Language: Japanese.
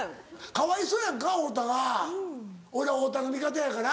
かわいそうやんか太田がおいら太田の味方やから。